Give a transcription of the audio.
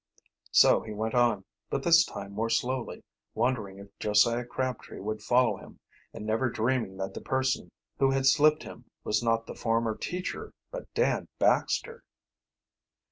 So he went on, but this time more slowly, wondering if Josiah Crabtree would follow him, and never dreaming that the person who had slipped him was not the former teacher, but Dan Baxter.